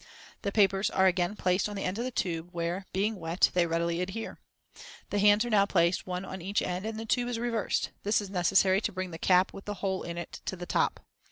The papers are again placed on the ends of the tube, where, being wet, they readily adhere. The hands are now placed one on each end and the tube is reversed; this is necessary to bring the cap with the hole in it to the top.